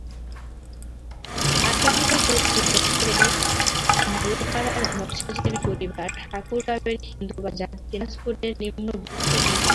আক্রান্ত হয়েছে যশোরের মালোপাড়ার মৎস্যজীবী পরিবার, ঠাকুরগাঁওয়ের হিন্দুবাজার, দিনাজপুরের নিম্নবিত্ত হিন্দু গ্রাম।